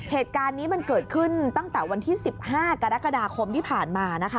เหตุการณ์นี้มันเกิดขึ้นตั้งแต่วันที่๑๕กรกฎาคมที่ผ่านมานะคะ